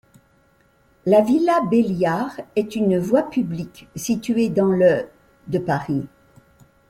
La villa Belliard est une voie publique située dans le de Paris.